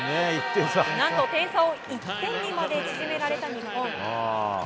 何と、点差を１点にまで縮められた日本。